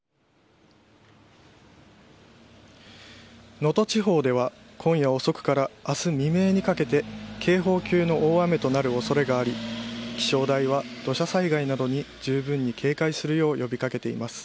能登地方では今夜遅くから明日未明にかけて警報級の大雨となる恐れがあり気象台は、土砂災害などにじゅうぶんに警戒するよう呼び掛けています。